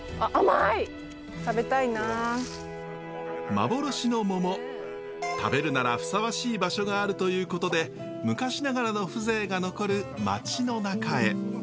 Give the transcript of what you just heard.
幻のモモ食べるならふさわしい場所があるということで昔ながらの風情が残る町の中へ。